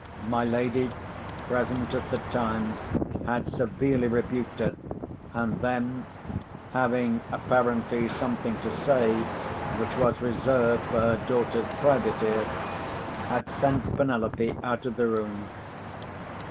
My lady, present at the time, had severely rebuked her, and then (having apparently something to say, which was reserved for her daughter's private ear) had sent Penelope out of the room.